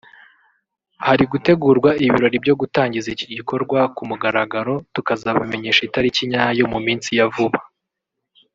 hari gutegurwa ibirori byo gutangiza iki gikorwa ku mugaragaro tukazabamenyesha itariki nyayo mu minsi ya vuba